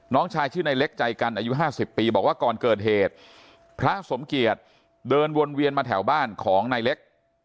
น้องชายชื่อนายเล็กใจกันอายุ๕๐ปีบอกว่าก่อนเกิดเหตุพระสมเกียจเดินวนเวียนมาแถวบ้านของนายเล็ก